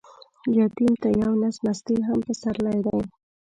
يتيم ته يو نس مستې هم پسرلى دى.